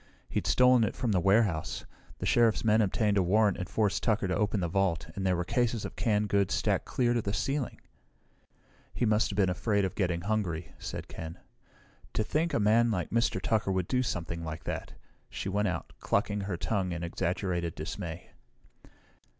He'd stolen it from the warehouse. The Sheriff's men obtained a warrant and forced Tucker to open the vault, and there were cases of canned goods stacked clear to the ceiling!" "He must have been afraid of getting hungry," said Ken. "To think a man like Mr. Tucker would do something like that!" She went out, clucking her tongue in exaggerated dismay.